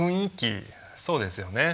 そうですよね。